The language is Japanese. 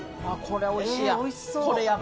これはおいしいや。